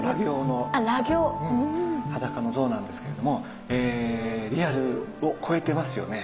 裸の像なんですけれどもリアルを超えてますよね。